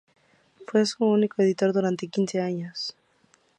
Fue su único editor durante quince años.